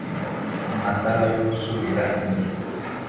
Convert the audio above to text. Amatara yo gusubira inyuma